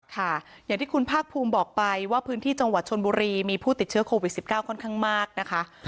ค่ะอย่างที่คุณภาคภูมิบอกไปว่าพื้นที่จังหวัดชนบุรีมีผู้ติดเชื้อโควิด๑๙ค่อนข้างมากนะคะ